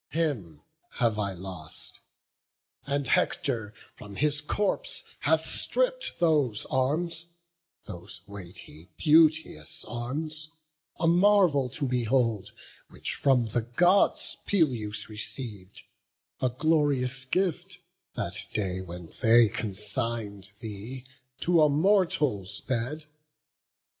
Him have I lost: and Hector from his corpse Hath stripp'd those arms, those weighty, beauteous arms, A marvel to behold, which from the Gods Peleus receiv'd, a glorious gift, that day When they consign'd thee to a mortal's bed.